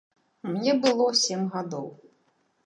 Мне было сем гадоў.